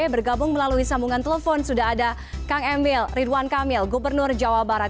bergabung melalui sambungan telepon sudah ada kang emil ridwan kamil gubernur jawa barat